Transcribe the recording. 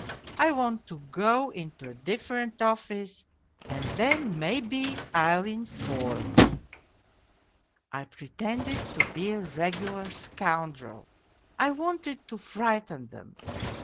I want to go into a different office and then, maybe, I'll inform.' I pretended to be a regular scoun drel, I wanted to frighten them.